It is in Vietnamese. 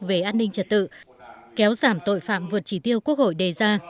về an ninh trật tự kéo giảm tội phạm vượt chỉ tiêu quốc hội đề ra